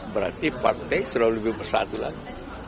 berarti partai selalu lebih bersatu lagi